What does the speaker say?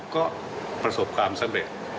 ก็ประสบความสำเร็จ